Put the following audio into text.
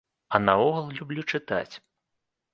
А наогул люблю чытаць.